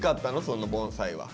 その盆栽は。